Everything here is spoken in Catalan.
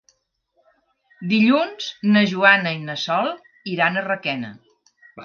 Dilluns na Joana i na Sol iran a Requena.